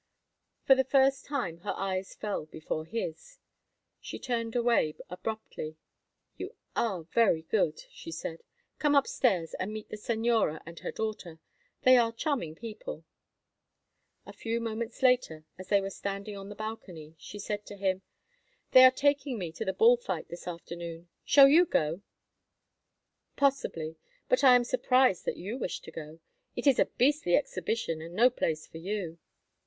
For the first time her eyes fell before his. She turned away abruptly. "You are very good," she said. "Come up stairs and meet the señora and her daughter. They are charming people." A few moments later, as they were standing on the balcony, she said to him: "They are taking me to the bull fight this afternoon. Shall you go?" "Possibly. But I am surprised that you wish to go. It is a beastly exhibition and no place for you."